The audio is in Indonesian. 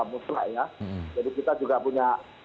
mutlak ya jadi kita juga punya